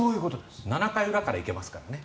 ７回裏から行けますね。